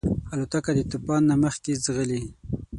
الوتکه د طوفان نه مخکې ځغلي.